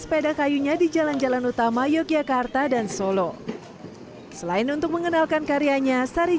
sepeda kayunya di jalan jalan utama yogyakarta dan solo selain untuk mengenalkan karyanya sari